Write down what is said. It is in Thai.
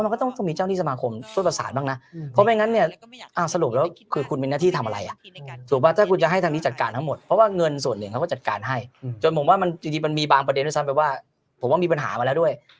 ผมว่ามันมีบางประเด็นที่สั้นไปว่าผมว่ามีปัญหามาแล้วด้วย